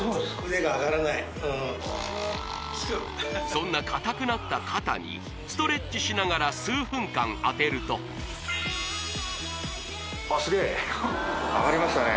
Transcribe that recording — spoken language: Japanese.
そんな硬くなった肩にストレッチしながら数分間当てるとあっすげえあがりましたね